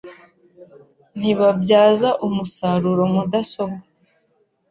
nti babyaza umusaruro mudasobwa